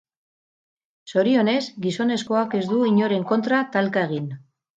Zorionez, gizonezkoak ez du inoren kontra talka egin.